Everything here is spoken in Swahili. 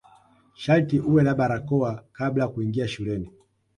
Sharti uwe na barakoa kabla kuingia shuleni.